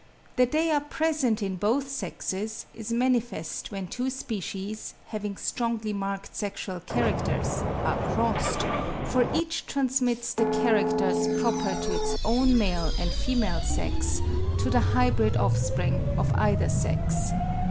That they are present in both sexes, is manifest when two species, having strongly marked sexual characters, are crossed, for each transmits the characters proper to its own male and female sex to the hybrid offspring of either sex.